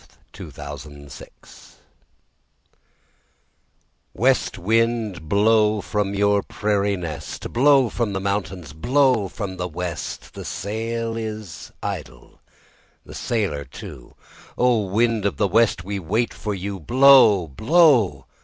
THE SONG MY PADDLE SINGS West wind, blow from your prairie nest, Blow from the mountains, blow from the west. The sail is idle, the sailor too; O! wind of the west, we wait for you. Blow, blow!